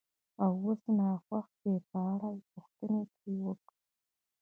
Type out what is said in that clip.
او څه ناخوښ دي په اړه پوښتنې ترې وکړئ،